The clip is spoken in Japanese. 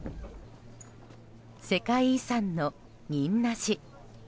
世界遺産の仁和寺。